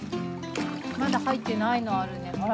まだはいってないのあるねほら。